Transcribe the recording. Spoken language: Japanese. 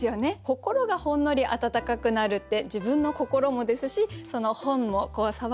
「こころがほんのりあたたかくなる」って自分の心もですしその本もこう触ると温かくなる。